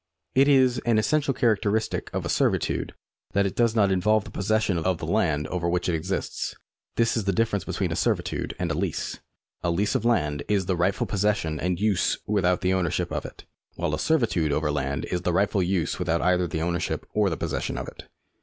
It is an essential characteristic of a servitude that it does not involve the possession of the land over which it exists. This is the difference between a servitude and a lease. A lease of land is the rightful possession and use without the ownership of it, while a servitude over land is the rightful use without either the ownership or the possession of it.